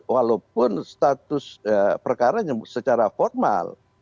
walaupun status perkara secara formal